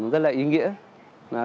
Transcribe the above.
rất là ý nghĩa